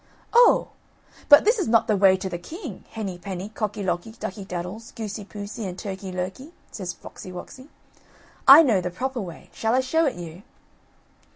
"Oh! but this is not the way to the king, Henny penny, Cocky locky, Ducky daddles, Goosey poosey and Turkey lurkey," says Foxy woxy; "I know the proper way; shall I show it you?"